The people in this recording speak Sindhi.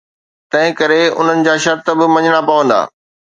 تنهنڪري انهن جا شرط به مڃڻا پوندا.